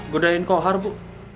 gue dari nkohar bu